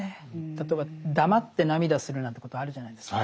例えば黙って涙するなんてことあるじゃないですか。